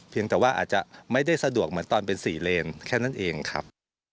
แต่ว่าอาจจะไม่ได้สะดวกเหมือนตอนเป็น๔เลนแค่นั้นเองครับ